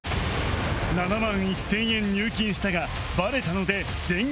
７万１０００円入金したがバレたので全額没収